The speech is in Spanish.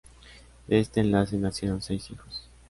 De este enlace nacieron seis hijos.